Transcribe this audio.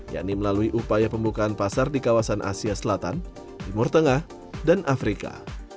yakni melalui upaya pembukaan pasar di kawasan asia selatan timur tengah dan afrika